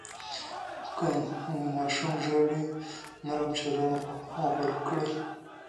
که ماشوم ژاړي، نرم چلند غوره کړئ.